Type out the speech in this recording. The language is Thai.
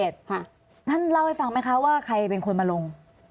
ท่านเล่าให้ฟังไหมคะว่าใครเป็นคนมาลง